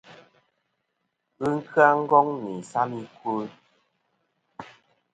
Ghɨ kya Ngong nɨ isam i kwo.